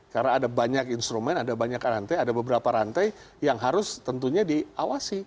karena ada banyak instrumen ada banyak rantai ada beberapa rantai yang harus tentunya diawasi